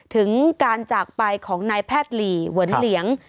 ถึงการจากไปของนายแพทย์หลีเหมือนเหลียง